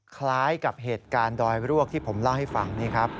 คล้ายกับเหตุการณ์ดอยรวกที่ผมเล่าให้ฟังนี่ครับ